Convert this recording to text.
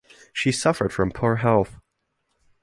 She suffered from poor health.